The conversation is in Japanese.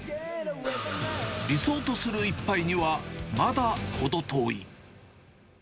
理想とする一杯には、まだ程遠い。